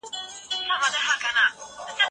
د چاپ مهال د ساینسي معاینې په مرسته معلومیږي.